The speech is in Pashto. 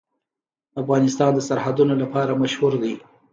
افغانستان د سرحدونه لپاره مشهور دی.